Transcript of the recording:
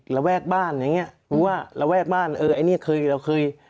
ระแวกบ้านอย่างเงี้ยเพราะว่าระแวกบ้านเออไอ้เนี้ยเคยเราเคย